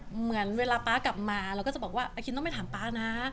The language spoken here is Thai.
เหมือนเวลาป๊ากลับมาเราก็จะบอกว่าอาคินต้องไปถามป๊านะ